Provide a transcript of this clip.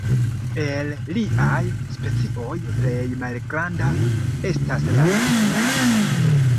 El liaj specioj plej malgranda estas la tn.